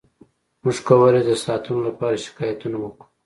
موږ کولی شو د ساعتونو لپاره شکایتونه وکړو